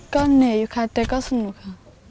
ก็เหนื่อยอยู่ค่ะแต่ก็สนุกค่ะ